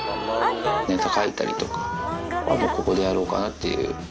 ネタ書いたりとか、あとここでやろうかなっていう。